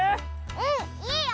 うんいいよ！